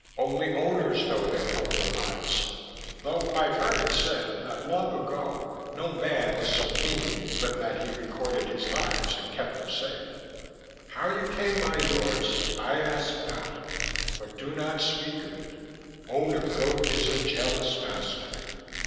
"Only Owners know their former lives ... though I've heard it said that long ago no man was so mean but that he recorded his lives and kept them safe. How you came by yours, I ask not; but do not speak of it. Owner Gope is a jealous master.